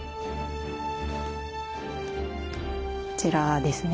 こちらですね